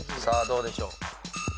さあどうでしょう？